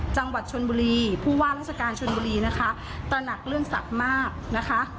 จังหวัดชนบุรีผู้ว่าราชการชนบุรีนะคะตระหนักเรื่องศักดิ์มากนะคะ